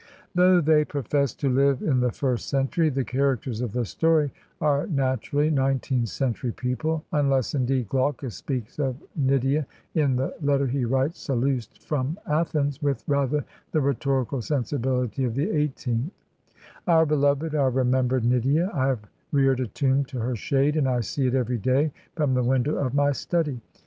Though they profess to Uve in the first century, the characters of the story are naturally nineteenth century people, unless indeed Glaucus speaks of Nydia, in the letter he writes Sallust from Athens, with rather the rhetorical sensibiUty of the eighteenth: "Our beloved, our remembered Nydia I I have reared a tomb to her shade, and I see it every day from the window of my study.